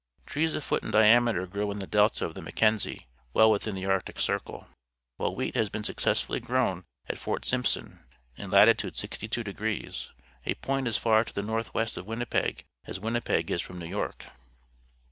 Trees a foot in diameter grow in the delta of the Mackenzie, well within the Arctic Circle, while wheat has been successfully grown at Fort Simpson, in latitude 62° — a point as far to the north west of Winnipeg as Winnipeg is from New York.